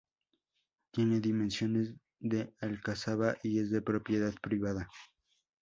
Tiene dimensiones de alcazaba, y es de propiedad privada.